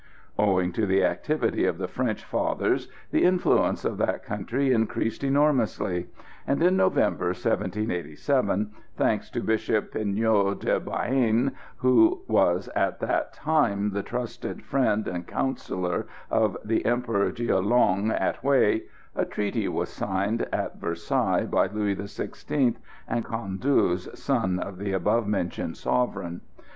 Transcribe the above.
Owing to the activity of the French Fathers the influence of that country increased enormously; and in November, 1787, thanks to Bishop Pigneau de Béhaine, who was at that time the trusted friend and counsellor of the Emperor Gia Long at Hué, a treaty was signed at Versailles by Louis XVI. and Cang Dzue, son of the above mentioned sovereign.